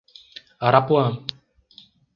Arapuã